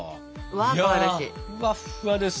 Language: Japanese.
ふわっふわです。